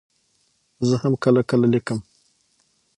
زه هم کله کله لیکم.